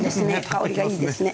香りがいいですね。